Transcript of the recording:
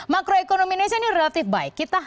makroekonomi indonesia ini relatif baik